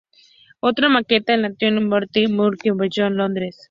Otra maqueta en el National Maritime Museum de Greenwich, Londres.